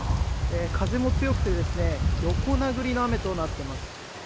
風も強くて、横殴りの雨となっています。